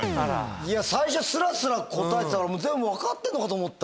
最初スラスラ答えてたら全部分かってんのかと思った。